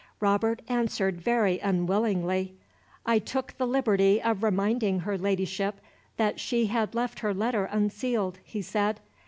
Robert answered very unwillingly. "I took the liberty of reminding her ladyship that she had left her letter unsealed," he said.